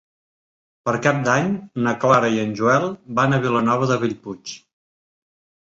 Per Cap d'Any na Clara i en Joel van a Vilanova de Bellpuig.